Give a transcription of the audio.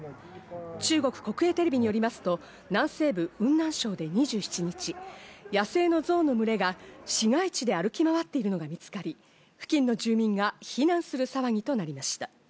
中国国営テレビによりますと南西部・雲南省で２７日、野生のゾウの群れが市街地で歩き回っているのが見つかり、付近の住民が避難する騒ぎとなりました。